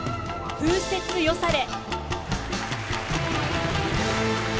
「風雪よされ」。